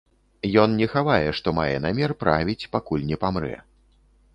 Ён не хавае, што мае намер правіць, пакуль не памрэ.